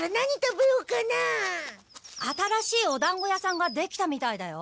新しいおだんご屋さんができたみたいだよ。